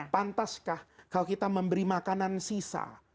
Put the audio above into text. pantaskah kalau kita memberi makanan sisa